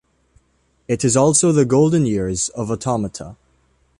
It is also the golden years of automata.